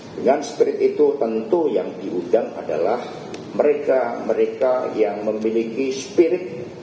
dengan spirit itu tentu yang diundang adalah mereka mereka yang memiliki spirit